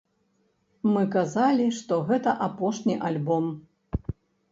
Мы казалі, што гэта апошні альбом!